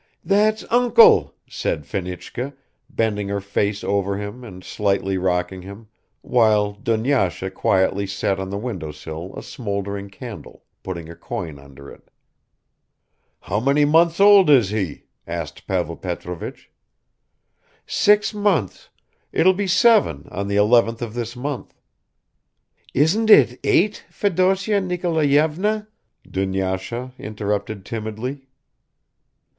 "That's uncle," said Fenichka, bending her face over him and slightly rocking him, while Dunyasha quietly set on the window sill a smoldering candle, putting a coin under it. "How many months old is he?" asked Pavel Petrovich. "Six months, it will be seven on the eleventh of this month." "Isn't it eight, Fedosya Nikolayevna?" Dunyasha interrupted timidly.